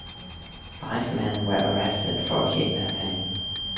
Five men were arrested for kidnapping.